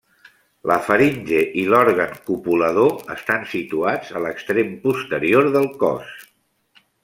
La faringe i l'òrgan copulador estan situats a l'extrem posterior del cos.